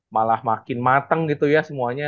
malah makin mateng gitu ya semuanya